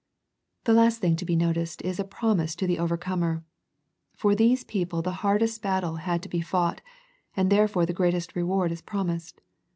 The last thing to be noticed is a promise to the overcomer. For these people the hardest battle had to be fought, and therefore the greatest reward is promised.